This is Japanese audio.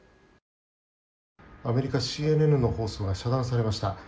アメリカＣＮＮの放送が遮断されました。